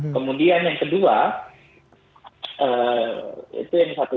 kemudian yang kedua itu yang satu